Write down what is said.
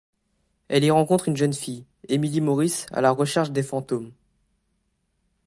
Elle y rencontre une jeune fille, Emily Morris, à la recherche des fantômes.